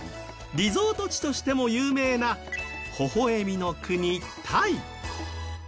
リゾート地としても有名なほほ笑みの国、タイ。